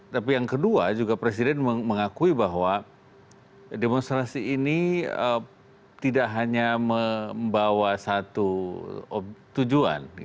tapi yang kedua juga presiden mengakui bahwa demonstrasi ini tidak hanya membawa satu tujuan